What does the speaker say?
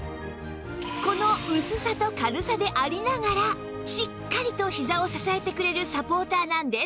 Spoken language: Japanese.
この薄さと軽さでありながらしっかりとひざを支えてくれるサポーターなんです